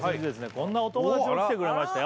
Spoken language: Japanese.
こんなお友達も来てくれましたよ